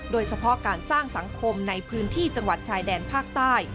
โดยเฉพาะการสร้างสังคมในพื้นที่จังหวัดชายแดนภาคใต้